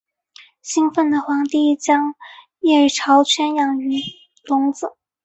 兴奋的皇帝将夜莺圈养于笼子。